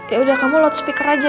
ya udah kamu lot speaker aja